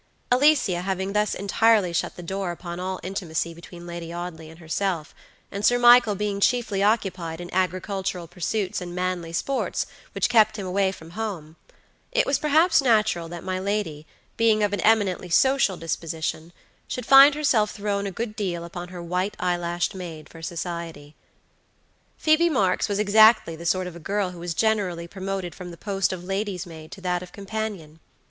Alicia having thus entirely shut the door upon all intimacy between Lady Audley and herself, and Sir Michael being chiefly occupied in agricultural pursuits and manly sports, which kept him away from home, it was perhaps natural that my lady, being of an eminently social disposition, should find herself thrown a good deal upon her white eyelashed maid for society. Phoebe Marks was exactly the sort of a girl who is generally promoted from the post of lady's maid to that of companion.